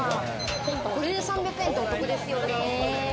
これで３００円ってお得ですよね。